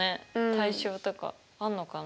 対称とかあんのかな？